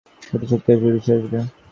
তাতে ভক্তি আসবে, বিশ্বাস আসবে।